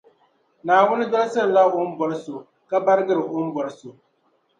Naawuni dɔlisirila o ni bɔri so, ka barigiri o ni bɔri so.